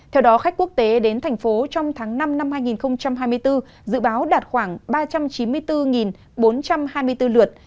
theo đó khách quốc tế đến thành phố trong tháng năm năm hai nghìn hai mươi bốn dự báo đạt khoảng ba trăm chín mươi bốn bốn trăm hai mươi bốn lượt